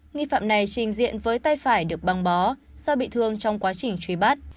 nghi phạm này trình diện với tay phải được băng bó do bị thương trong quá trình truy bắt